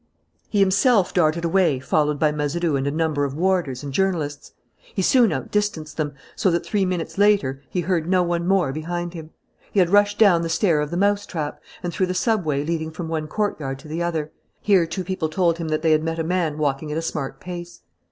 He himself darted away followed by Mazeroux and a number of warders and journalists, He soon outdistanced them, so that, three minutes later, he heard no one more behind him. He had rushed down the staircase of the "Mousetrap," and through the subway leading from one courtyard to the other. Here two people told him that they had met a man walking at a smart pace.